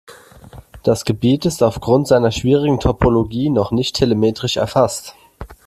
Das Gebiet ist aufgrund seiner schwierigen Topologie noch nicht telemetrisch erfasst.